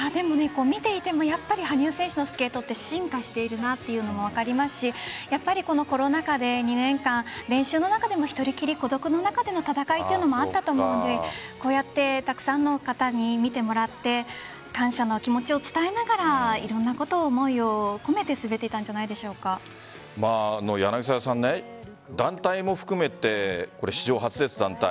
見ていても、やっぱり羽生選手のスケートって進化してるなというのも分かりますしこのコロナ禍で２年間、練習の中でも１人きり孤独の中での戦いというのもあったと思うのでこうやってたくさんの方に見てもらって感謝の気持ちを伝えながらいろんなことを思いを込めて団体も含めて史上初です。